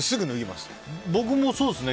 僕もそうですね。